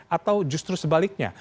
atau justru sebaliknya